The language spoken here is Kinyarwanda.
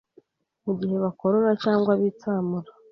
mu gihe bakorora cyangwa bitsamura,